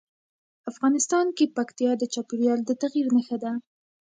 افغانستان کې پکتیا د چاپېریال د تغیر نښه ده.